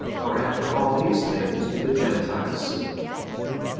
for after all these things do the Gentiles seek.